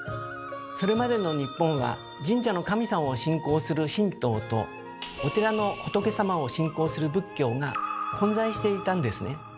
それまでの日本は神社の神様を信仰する「神道」とお寺の仏様を信仰する「仏教」が混在していたんですね。